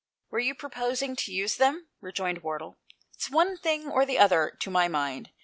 " "Were you proposing to use them ?" rejoined Wardle. " It's one thing or the other, to my mind.